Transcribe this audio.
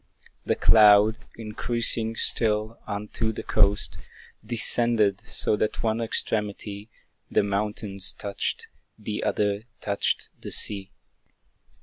The cloud, increasing still, unto the coast Descended, so that one extremity The mountains touched, the other touched the sea.